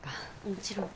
もちろん。